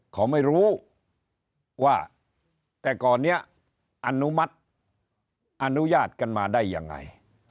เขาไม่รู้ว่าแต่ก่อนนี้อนุมัติอนุญาตกันมาได้ยังไง